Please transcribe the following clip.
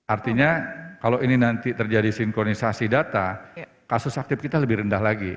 artinya kalau ini nanti terjadi sinkronisasi data kasus aktif kita lebih rendah lagi